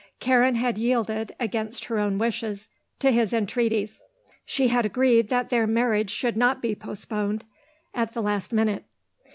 Karen had yielded, against her own wishes, to his entreaties. She had agreed that their marriage should not be so postponed at the last minute.